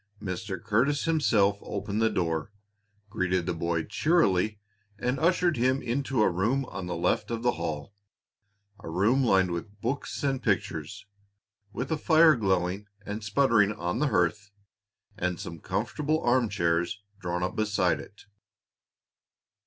Mr. Curtis himself opened the door, greeted the boy cheerily, and ushered him into a room on the left of the hall, a room lined with books and pictures, with a fire glowing and sputtering on the hearth and some comfortable arm chairs drawn up beside it.